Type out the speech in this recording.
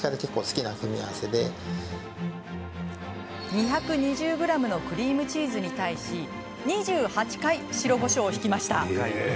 ２２０ｇのクリームチーズに対し２８回、白こしょうをひきました。